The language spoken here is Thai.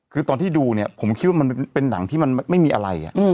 คือตอนที่ดูเนี่ยผมคิดว่ามันเป็นหนังที่มันไม่มีอะไร